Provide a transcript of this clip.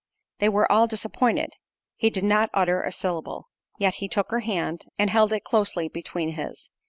They were all disappointed—he did not utter a syllable. Yet he took her hand, and held it closely between his.